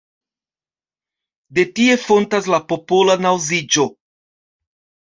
De tie fontas la popola naŭziĝo.